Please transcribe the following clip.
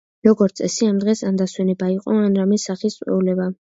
როგორც წესი, ამ დღეს ან დასვენება იყო, ან რამე სახის წვეულება.